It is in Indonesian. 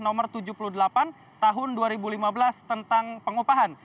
nomor tujuh puluh delapan tahun dua ribu lima belas tentang pengupahan